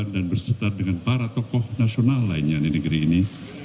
dan bersetar dengan para tokoh nasional lainnya di negeri ini